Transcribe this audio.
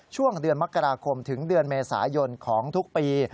ช่วงเดือนมกราคมถึงเดือนเมษายนของทุกปี